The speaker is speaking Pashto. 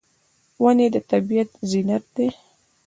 ونې د طبیعت زینت دي.